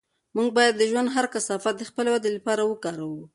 موږ باید د ژوند هر کثافت د خپلې ودې لپاره وکاروو.